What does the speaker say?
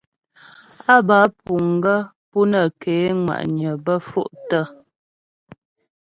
Á bə́ á puŋ gaə́ pú nə́ ké ŋwa'nyə bə́ fôktə.